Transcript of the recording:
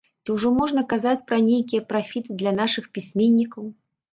Ці ўжо можна казаць пра нейкія прафіты для нашых пісьменнікаў?